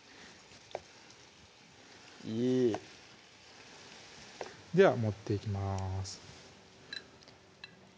いいでは盛っていきます